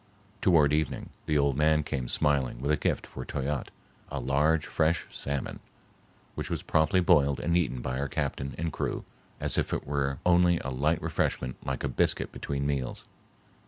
Toward evening the old man came smiling with a gift for Toyatte,—a large fresh salmon, which was promptly boiled and eaten by our captain and crew as if it were only a light refreshment like a biscuit between meals.